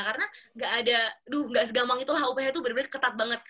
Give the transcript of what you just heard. karena nggak ada aduh nggak segampang itulah uph tuh benar benar ketat banget